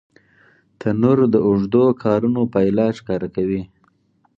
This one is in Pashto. تنور د اوږدو کارونو پایله ښکاره کوي